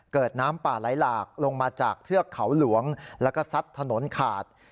เกิดน้ำป่าไหลหลากลงมาจากเทือกเขาหลวงแล้วก็ซัดถนนขาด